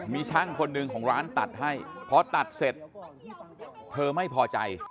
มีช่างคนหนึ่งของร้านตัดให้พอตัดเสร็จเธอไม่พอใจ